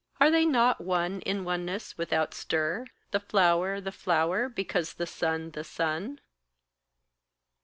Are they not one in oneness without stir The flower the flower because the sun the sun?